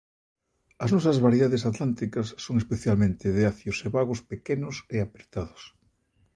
As nosas variedades atlánticas son especialmente de acios e bagos pequenos e apertados.